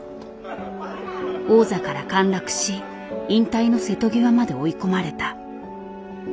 王座から陥落し引退の瀬戸際まで追い込まれた。